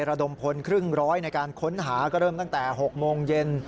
ระดมพลครึ่งร้อยในการค้นหาก็เริ่มตั้งแต่๖โมงเย็น